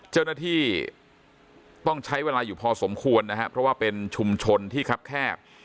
เจ้าหน้าที่ต้องใช้เวลาอยู่พอสมควรนะครับเพราะว่าเป็นชุมชนที่ครับแคบ